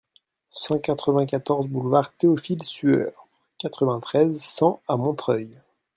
cent quatre-vingt-quatorze boulevard Théophile Sueur, quatre-vingt-treize, cent à Montreuil